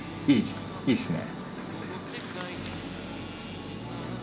いいっすね。